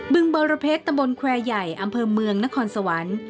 ึงบรเพชรตำบลแควร์ใหญ่อำเภอเมืองนครสวรรค์